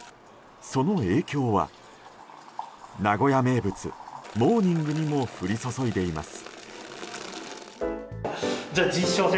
その影響は、名古屋名物モーニングにも降り注いでいます。